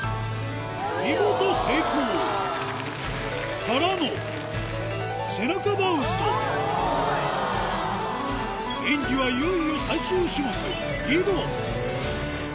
見事成功！からの背中バウンド演技はいよいよ最終種目